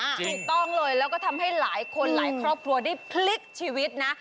ถูกต้องเลยแล้วก็ทำให้หลายคนหลายครอบครัวได้พลิกชีวิตนะ